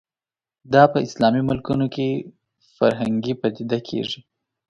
دا په اسلامي ملکونو کې فرهنګي پدیده کېږي